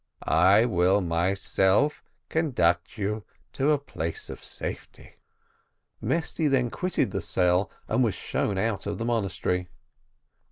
I will myself conduct you to a place of safety." Mesty then quitted the cell and was shown out of the monastery.